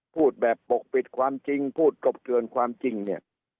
พูดแบบปกปิดความจริงพูดกลบเกินความจริงเนี่ย